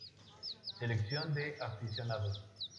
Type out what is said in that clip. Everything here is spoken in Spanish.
Selección de aficionados.